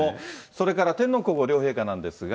それから天皇皇后両陛下なんですが。